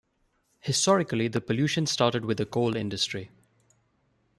Historically, the pollution started with the coal industry.